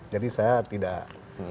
jadi saya tidak